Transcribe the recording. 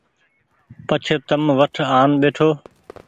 پڇ تم وٽ آن ٻهيٺو